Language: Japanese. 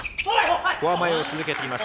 フォア前を続けてきました。